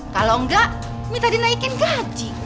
kalau enggak minta minta dinaikin gaji